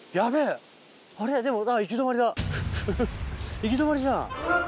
行き止まりじゃん！